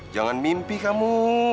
jangan mimpi kamu